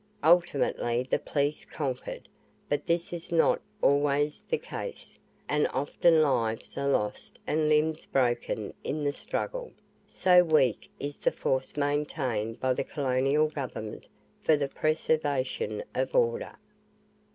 Ultimately the police conquered; but this is not always the case, and often lives are lost and limbs broken in the struggle, so weak is the force maintained by the colonial government for the preservation of order.